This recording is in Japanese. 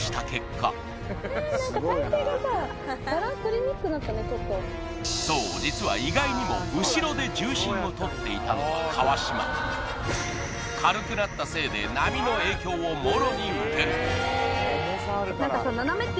何かそう実は意外にも後ろで重心をとっていたのは川島軽くなったせいで波の影響をもろに受ける何かさ